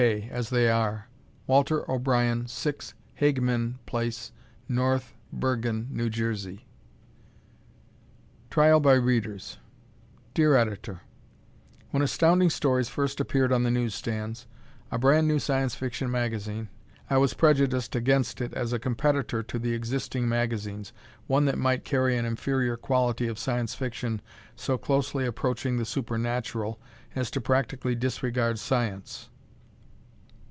K.) as they are. Walter O'Brien, 6 Hageman Pl., North Bergen, N. J. Trial by Readers Dear Editor: When Astounding Stories first appeared on the newsstands, a brand new Science Fiction magazine, I was prejudiced against it as a competitor to the existing magazines one that might carry an inferior quality of Science Fiction so closely approaching the supernatural as to practically disregard science.